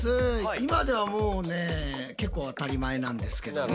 今ではもうね結構当たり前なんですけども。